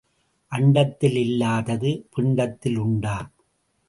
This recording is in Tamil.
அண்டத்தில் இல்லாதது பிண்டத்தில் உண்டா?